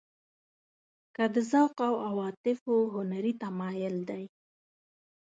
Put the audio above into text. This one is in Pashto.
که د ذوق او عواطفو هنري تمایل دی.